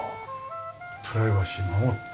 プライバシー守って。